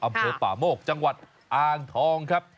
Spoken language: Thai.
อำเภอป่าโมกจังหวัดอ่างทองครับ